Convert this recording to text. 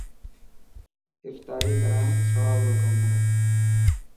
افتاري ڪراڻ سواب رو ڪم هي